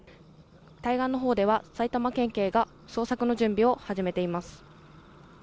対岸のほうでは埼玉県警が捜索の準備を始めています。